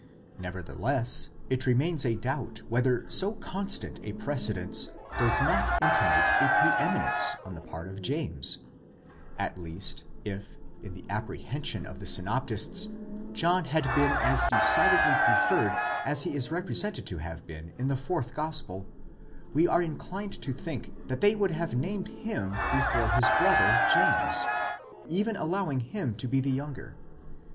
6 Nevertheless, it remains a doubt whether so constant a precedence do not intimate a pre eminence on the part of James; at least, if, in the apprehension of the synoptists, John had been as decidedly preferred as he is represented to have been in the fourth gospel, we are inclined to think that they would have named him before his brother James, even allowing him to be the younger.